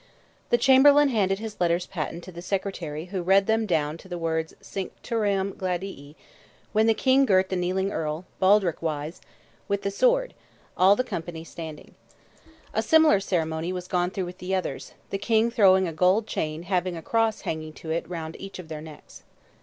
The Chamberlain handed his letters patent to the Secretary who read them down to the words Cincturam gladii, when the King girt the kneeling Earl, baldric wise, with the sword, all the company standing. A similar ceremony was gone through with the others, the King throwing a gold chain having a cross hanging to it round each of their necks.